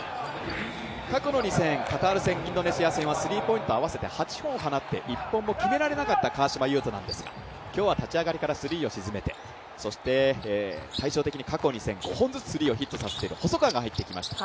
過去の２戦、カタール戦、インドネシア戦はスリーポイント、合わせて８本放って１本も決められなかった川島悠翔なんですが今日は立ち上がりからスリーを沈めて、そして対照的に過去２戦、５本ずつ成功させている細川が入ってきています。